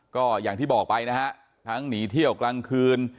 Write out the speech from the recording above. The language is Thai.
ก็อย่างที่บอกไปนะฮะทั้งหนีเที่ยวกลางคืน